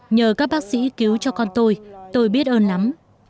nhờ các bác sĩ cứu cho con tôi tôi biết ơn lắm